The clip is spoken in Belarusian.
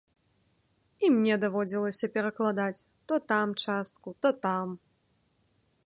І мне даводзілася перакладаць, то там частку, то там.